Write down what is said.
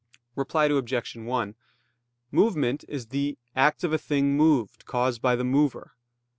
Reply Obj. 1: Movement is "the act of a thing moved, caused by the mover."